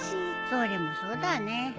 それもそうだね。